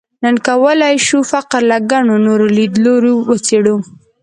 نن کولای شو فقر له ګڼو نورو لیدلوریو وڅېړو.